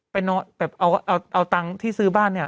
แบบเอาตังค์ที่ซื้อบ้านเนี่ย